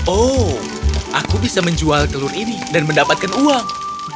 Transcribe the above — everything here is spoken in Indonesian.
oh aku bisa menjual telur ini dan mendapatkan uang